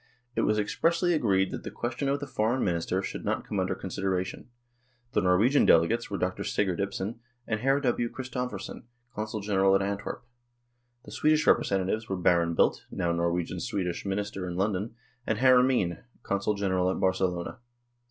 It was expressly agreed that the question of the Foreign Minister should not come under consideration. The Norwegian delegates were Dr. Sigurd Ibsen and Hr. W. Christophersen, Consul General at Antwerp ; the Swedish representatives were Baron Bildt, now Norwegian Swedish Minister in London, and Hr. Ameen, Consul General at Barcelona.